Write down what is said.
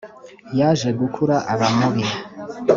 Yaje gukura aba mubi